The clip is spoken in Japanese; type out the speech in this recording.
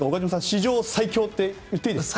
史上最強と言っていいですか？